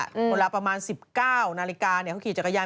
อันดับประมาณ๑๙นาฬิกาเขาขี่จากกระยาน